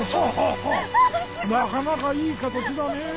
なかなかいい形だねぇ。